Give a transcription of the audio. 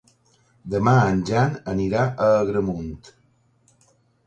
Demà en Jan anirà a Agramunt.